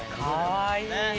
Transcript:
かわいい。